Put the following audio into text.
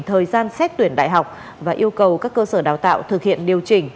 thời gian xét tuyển đại học và yêu cầu các cơ sở đào tạo thực hiện điều chỉnh